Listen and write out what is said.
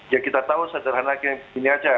ya kita tahu sederhana kayak gini aja